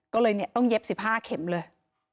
ก็เลยต้องเย็บ๑๕เข็มเลย